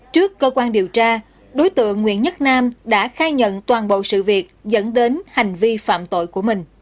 trước cơ quan điều tra đối tượng nguyễn nhất nam đã khai nhận toàn bộ sự việc dẫn đến hành vi phạm tội của mình